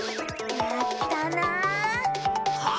やったあ！